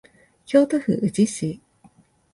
京都府宇治市